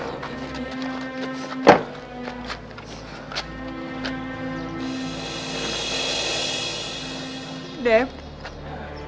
kita sudah melepaskan